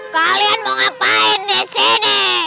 kalian mau ngapain disini